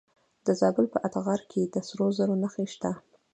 د زابل په اتغر کې د سرو زرو نښې شته.